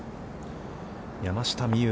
山下美夢